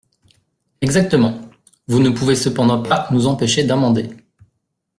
Exactement ! Vous ne pouvez cependant pas nous empêcher d’amender.